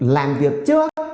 làm việc trước